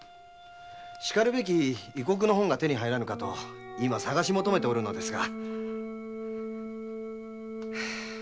よき異国の本が手に入らぬかと今探し求めておるのですが。